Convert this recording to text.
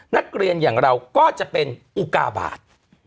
นักเรียนอย่างเราก็จะเป็นอุกาบาท